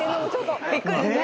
びっくりですね。